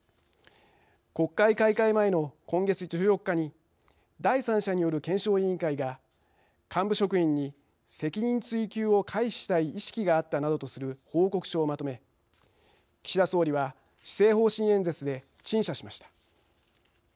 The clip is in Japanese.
国会開会前の今月１４日に第３者による検証委員会が幹部職員に責任追及を回避したい意識があったなどとする報告書をまとめ岸田総理は、施政方針演説で陳謝しました。